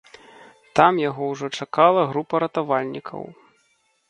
Там яго ўжо чакала група ратавальнікаў.